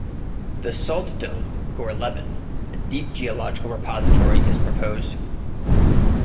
The salt dome Gorleben, a deep geological repository is proposed.